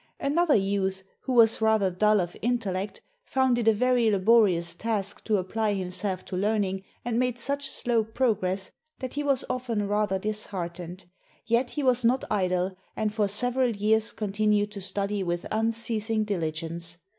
Another youth, who was rather dull of intellect, found it a very laborious task to apply himself to learning and made such slow progress that he was often rather dis heartened; yet he was not idle, and for several years continued to study with unceasing diligence.